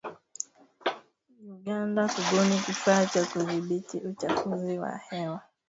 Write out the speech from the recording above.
Uganda kubuni kifaa cha kudhibiti uchafuzi wa hewa